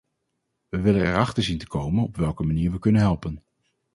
We willen erachter zien te komen op welke manier we kunnen helpen.